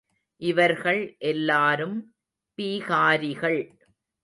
இவர்கள் எல்லாரும் பீகாரிகள்.